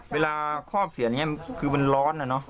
เวลาครอบเสียนเนี่ยคือมันร้อนอ่ะ